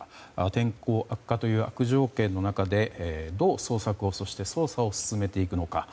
天候悪化という悪条件の中でどう捜索をそして捜査を進めていくのか